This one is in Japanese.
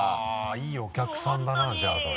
いいお客さんだなじゃあそれ。